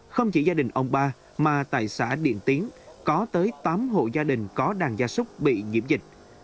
không chỉ gia đình ông ba mà tại xã điện tiến có tới tám hộ gia đình có đàn gia súc bị nhiễm dịch